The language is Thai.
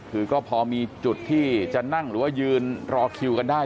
คือก็พอมีจุดที่จะนั่งหรือว่ายืนรอคิวกันได้